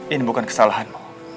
ini bukan kesalahanmu